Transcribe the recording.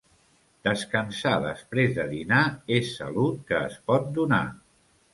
Descansar després de dinar és salut que es pot donar.